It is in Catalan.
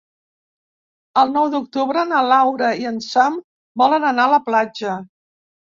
El nou d'octubre na Laura i en Sam volen anar a la platja.